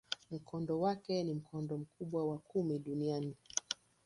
Mkondo wake ni mkondo mkubwa wa kumi duniani.